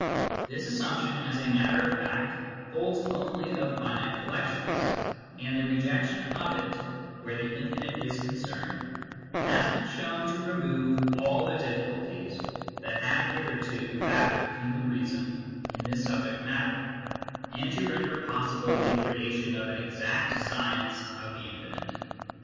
This assumption, as a matter of fact, holds only of finite collections ; and the rejection of it v where the infinite is concerned, has been shown to remove all the difficulties that had hitherto baffled human reason in this matter, and to render possible the creation of an exact science of the infinite.